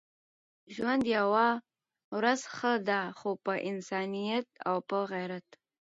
ژوند يوه ورځ ښه دی خو په انسانيت او په غيرت.